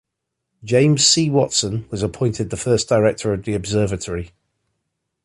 James C. Watson was appointed the first director of the observatory.